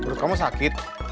menurut kamu sakit